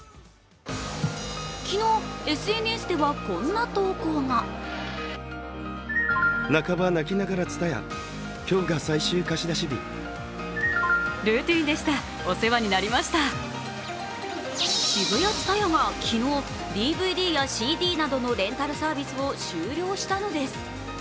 昨日、ＳＮＳではこんな投稿がＳＨＩＢＵＹＡＴＳＵＴＡＹＡが昨日、ＤＶＤやＣＤなどのレンタルサービスを終了したのです。